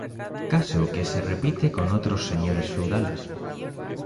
Caso que se repite con otros señores feudales.